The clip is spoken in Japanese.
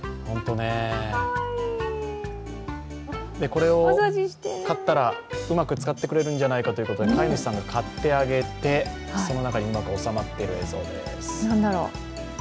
これを買ったらうまく使ってくれるんじゃないかということで飼い主さんが買ってあげて、その中にうまく収まってる映像です。